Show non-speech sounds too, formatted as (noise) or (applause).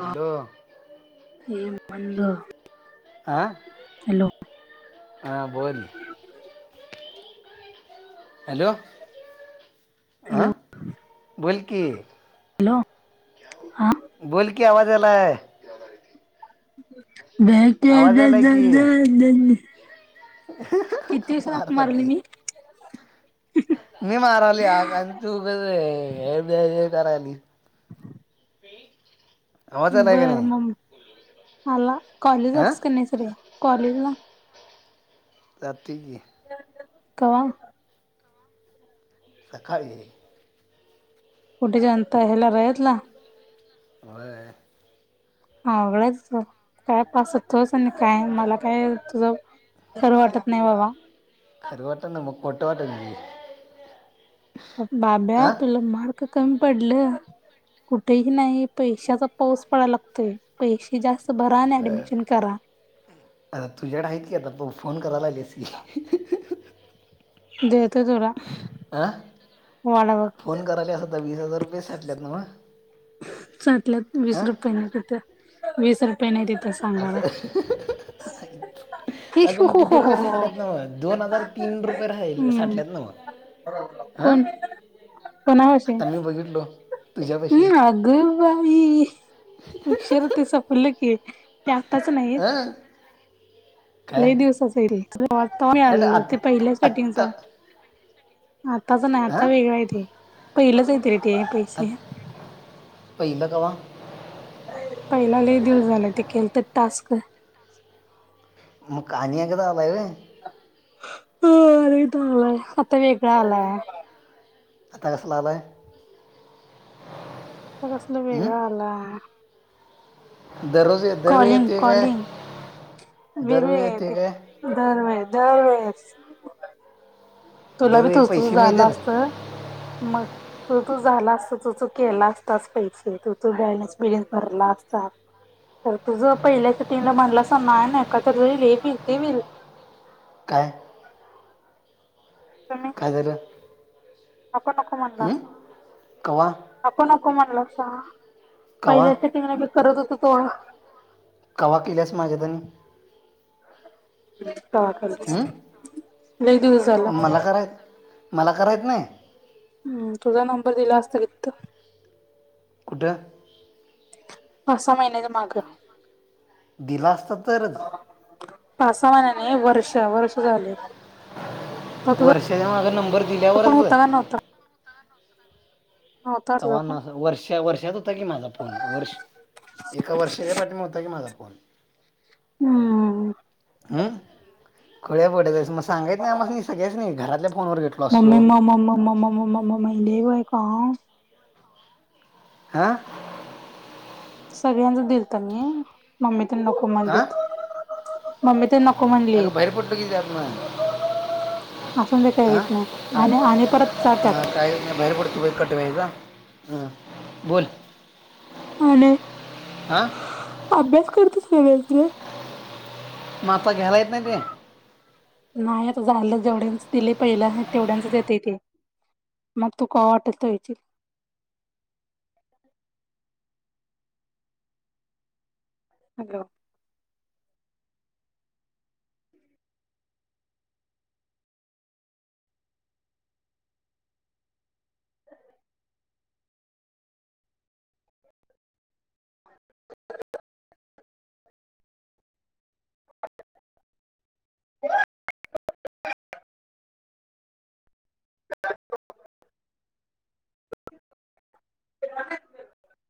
Hello हे मंद hello हा बोल हॅलो आ हॅलो बोल की हॅलो हा बोल की आवाज आलाय आवाज आलाय की (unintelligible) किती मार सराक मारली खातील मी मी माराली तू उगाच व्य कराली बरं बर मग आला कॉलेज हां होातस का नाही सर कॉलेज ला जाते मी कावा सकाळी कुठेच्यानता ह्याला बाहेरला होय हावडंच काय पास तोच काय मला काय तुझं खरं वाटत नाही बाबा खर वाट ना मग कोठ वाटले बाब्या तुला मारक कमी पडलं कुठेही नाही पैशाचा पाऊस पडाला लागतोय पैसे जास्त भरा ऍडमिशन करा आता तुझ्याकडे आहेत की आता फोन करायला आलीसी देते तुला हां वाडा बघ फोन करायला असता वीस हजार रुपये साठल्यात ना व साठल्यात वीस रुपये नाही तिथ वीस रुपये नाही तिथ आता अगं मग किती रुपये साठल्यात ना दोन हजार तीन रुपये राहि हम्म साठल्यात ना मग हां कोण आता मी बघितलो तुझ्या पैसे हम् अग बाई ह शरतेस फलकी ते आत्ताच नाहीत हां काय लई दिवसाचल आता हॅट आलेलं आत ते पहिल्या स्टार्टिंग आत्ता च आताच नाही आता हां वेगळं आहे ते पहिलंच आहेत रे पैसे ते पहिला केव्हा पहिनाले दिवस झाला ते केल तर टास्क मग कानया कता आलाय ह अरे चांगलाय आता वेगळा आलाय आता कसला आलाय आता कसला हं? वेगळा आलं दररोज ये- दरवेळी कॉलिंग येतोय काय कॉलिंग दरवेळी वेगवेग आहे येतोय ते काय दर वेळ दर वेळेस तुला बी दरवेळी तु पैसे झाला मिळतात असत मग तो तू झाला असता तो तो केला असताच पैसे तो तो गॅयलेस बिलेस भरला असता तर तुझ पहिल्या टीमला म्हणला असता हे बी तेही बी काय कादल अको नको म्हणला कवा अको नको म्हणला का कवा पहिल्या सटिंगने बी करत होत थोडं कवा केल्यास माझ्या त्यांनी ह कर नाही तुझं झालं मला कराय मला करायचं नाही हम् तुझा नंबर दिला असता कितत कुठा असा महिन्याच्या माग गलास तर तर पासा महिन्याने वर्ष वर्ष झाले वर्षाच्या माग त पण होता का नव्हता नव्हता तुझा फोन? त्हा वर्षा वर्षात होता की माझा फोन वर्ष एका वर्षाच्या पाठीमा होता की माझा फोन हम्म खोळ्या पोडयचयं मग सांगात नाही म सगळ्याच नाही घरात म् म म म म म म म म म लवय का हा सगळ्यांच दिलत मी मम्मी - नको हां म्हणलीत मम्मी ते नको अगं म्हणलीत बाहेर पडतो की त्यात मग असून दे काही हां होत नाही आणि आ- आणि परत जात्यात कट व्हायचा ह बोल आले आ अभ्यास करतोस (unintelligible) म अता घ्यायला येत नाही ग नाही आता झाला जेवढ्यांच दिले पहिला आहे तेवढ्यांचच येतय ते म तु काय वाटल ते व्हयचील (inaudible) हॅलो (inaudible) (unintelligible) (unintelligible)